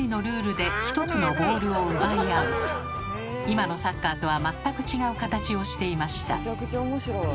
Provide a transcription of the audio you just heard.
今のサッカーとは全く違う形をしていました。